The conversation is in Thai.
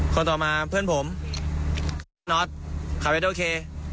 คนต่อมาเพื่อนผมน็อตขับเวทโอเค